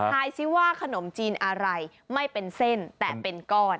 ซิว่าขนมจีนอะไรไม่เป็นเส้นแต่เป็นก้อน